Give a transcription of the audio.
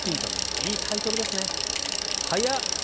いいタイトルですね。